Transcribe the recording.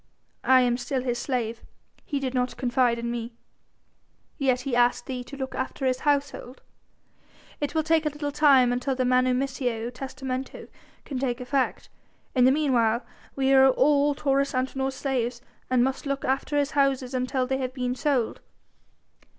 I am still his slave; he did not confide in me." "Yet he asked thee to look after his household." "It will take a little time until the manumissio testamento can take effect. In the meanwhile we all are Taurus Antinor's slaves and must look after his houses until they have been sold."